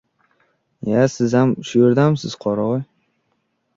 — Ya, sizam shu yerdamisiz, qoravoy!